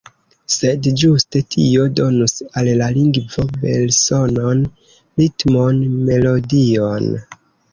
Sed ĝuste tio donus al la lingvo belsonon, ritmon, melodion.